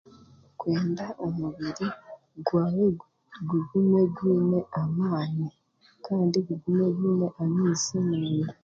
Kwenda omubiri gwahwe gu gugume gwine amaani kandi gugume gwine amaizi munda